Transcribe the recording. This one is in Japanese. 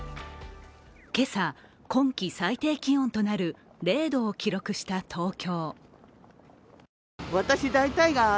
今朝、今季最低気温となる０度を記録した東京。